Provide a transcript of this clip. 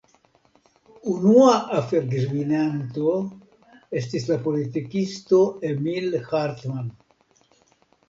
Unua afergvidanto estis la politikisto Emil Hartmann.